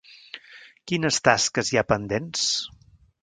Quines tasques hi ha pendents?